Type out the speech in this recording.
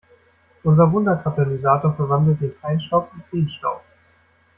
Unser Wunderkatalysator verwandelt den Feinstaub in Feenstaub.